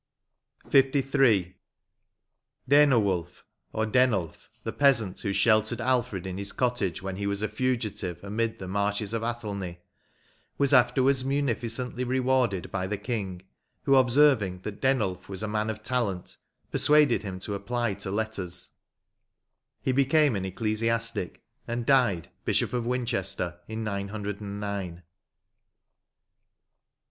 106 UII. Denewdlf, or Denulf, the peasant who sheltered Alfred in his cottage when he was a fugitive amid the marshes of Athelney, was afterwards muni ficently rewarded by the King, who, observing that Denulf was a man of talent, persuaded him to apply to letters; he became an ecclesiastic, and died Bishop of Winchester in 909. 107 LIII.